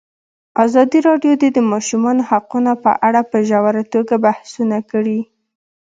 ازادي راډیو د د ماشومانو حقونه په اړه په ژوره توګه بحثونه کړي.